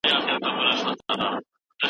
موږ بايد سياستپوهنه د پوهې او دانش په څېر ومنو.